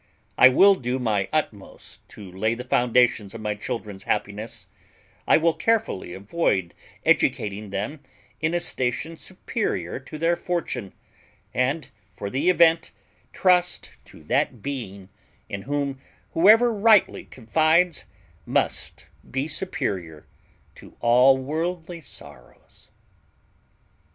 I will do my utmost to lay the foundations of my children's happiness, I will carefully avoid educating them in a station superior to their fortune, and for the event trust to that being in whom whoever rightly confides, must be superior to all worldly sorrows."